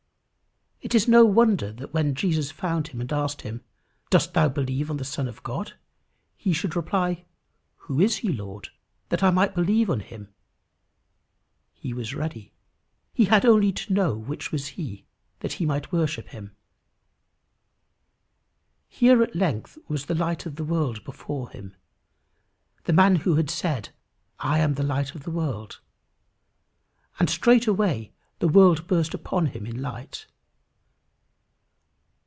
It is no wonder that when Jesus found him and asked him, "Dost thou believe on the Son of God?" he should reply, "Who is he, Lord, that I might believe on him?" He was ready. He had only to know which was he, that he might worship him. Here at length was the Light of the world before him the man who had said, "I am the light of the world," and straightway the world burst upon him in light!